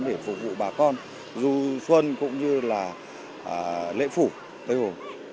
để phục vụ bà con du xuân cũng như là lễ phủ tây hồ